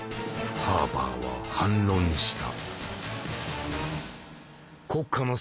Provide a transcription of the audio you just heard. ハーバーは反論した。